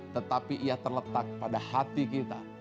tetapi ia terletak pada hati kita